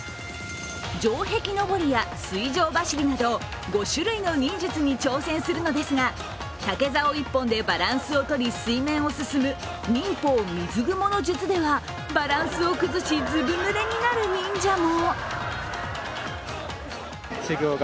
城壁登りや水上走りなど５種類の忍術に挑戦するのですが、竹竿１本でバランスをとり水面を進む忍法水ぐもの術ではバランスを崩し、ずぶぬれになる忍者も。